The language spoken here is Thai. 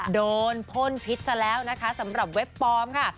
โดนพ่นพิษซะแล้วนะคะสำหรับเว็บปลอมค่ะ